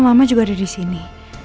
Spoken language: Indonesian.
mama juga ada di sini